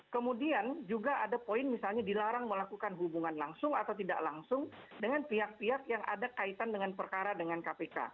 kemudian juga ada poin misalnya dilarang melakukan hubungan langsung atau tidak langsung dengan pihak pihak yang ada kaitan dengan perkara dengan kpk